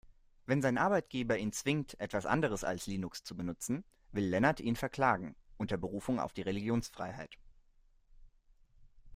Wenn sein Arbeitgeber ihn zwingt, etwas anderes als Linux zu benutzen, will Lennart ihn verklagen, unter Berufung auf die Religionsfreiheit.